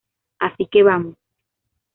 Así que vamos.